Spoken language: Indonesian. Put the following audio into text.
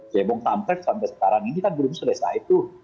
jebong kampret sampai sekarang ini kan belum selesai tuh